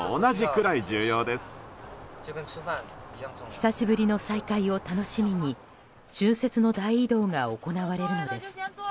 久しぶりの再会を楽しみに春節の大移動が行われるのです。